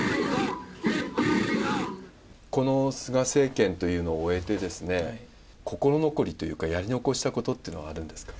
この菅政権というのを終えて、心残りというか、やり残したことってのはあるんですか？